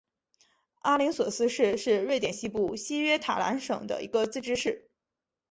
阿灵索斯市是瑞典西部西约塔兰省的一个自治市。